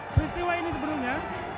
peristiwa ini sebelumnya